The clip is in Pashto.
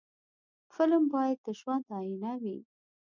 فلم باید د ژوند آیینه وي